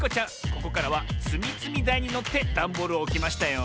ここからはつみつみだいにのってダンボールをおきましたよ。